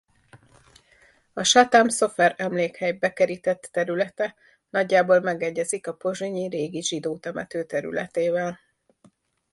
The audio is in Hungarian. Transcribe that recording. A Chatam Sofer-emlékhely bekerített területe nagyjából megegyezik a pozsonyi régi zsidó temető területével.